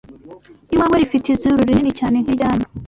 Iwawe rifite izuru rinini cyane nk'iryanyu